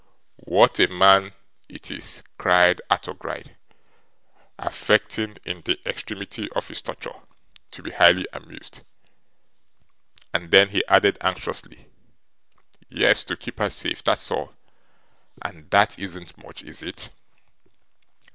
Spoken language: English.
'What a man it is!' cried Arthur Gride, affecting, in the extremity of his torture, to be highly amused. And then he added, anxiously, 'Yes; to keep her safe, that's all. And that isn't much, is it?